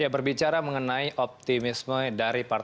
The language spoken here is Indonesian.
berbicara mengenai optimisme dari partai